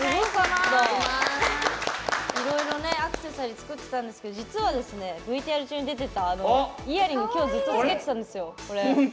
いろいろアクセサリー作ってたんですけど実はＶＴＲ中に出てたイヤリングきょうずっとつけてたんですよ。